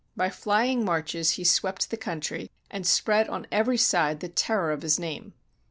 By flying marches he swept the country, and spread on every side the terror of his name.